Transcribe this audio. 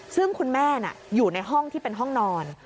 ซึ่งคุณแม่อยู่ในห้องที่เป็นห้องนอน